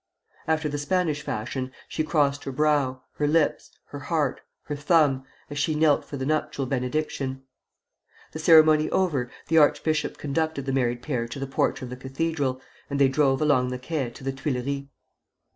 After the Spanish fashion, she crossed her brow, her lips, her heart, her thumb, as she knelt for the nuptial benediction. The ceremony over, the archbishop conducted the married pair to the porch of the cathedral, and they drove along the Quai to the Tuileries.